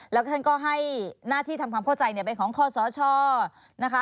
แล้วก็ท่านก็ให้หน้าที่ทำความเข้าใจเป็นของคอสชนะคะ